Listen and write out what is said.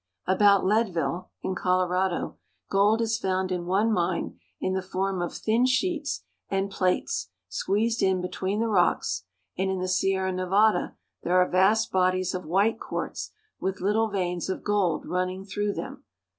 About Leadville, in Colorado, gold is found in one mine in the form of thin sheets and plates, squeezed in between the rocks ; and in the Sierra Nevada there are vast bodies of white quartz with little veins of gold running through them.